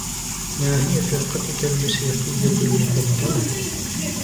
ما هي فرقَتُكَ الموسيقيّة المفضّلة؟